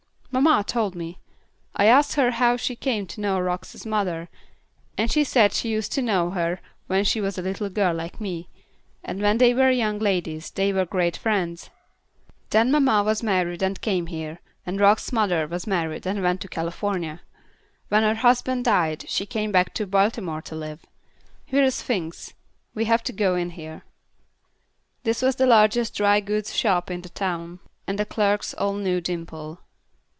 "Mamma told me. I asked her how she came to know Rock's mother, and she said she used to know her when she was a little girl like me and when they were young ladies they were great friends. Then mamma was married and came here, and Rock's mother was married and went to California. When her husband died she came back to Baltimore to live. Here is Fink's; we have to go in here." This was the largest dry goods shop in the town, and the clerks all knew Dimple.